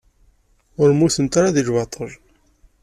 Ur mmutent ara deg lbaṭel.